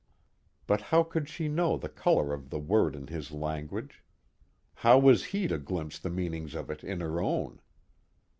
But how could she know the color of the word in his language? How was he to glimpse the meanings of it in her own?